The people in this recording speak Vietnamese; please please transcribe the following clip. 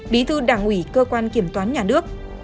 bí thư đảng ủy cơ quan kiểm toán nhà nước